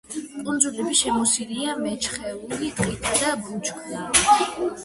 კუნძულები შემოსილია მეჩხერი ტყითა და ბუჩქნარით.